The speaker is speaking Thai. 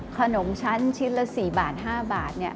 ขนมชั้นชิ้นละ๔บาท๕บาท